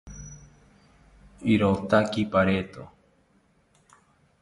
Irotaki pareto